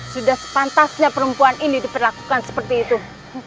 sudah sepantasnya perempuan ini diperlakukan seperti itu